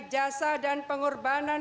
jasa dan pengorbanan